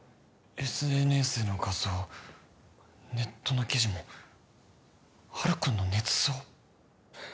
ＳＮＳの画像ネットの記事もハルくんのねつ造？